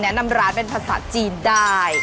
นำร้านเป็นภาษาจีนได้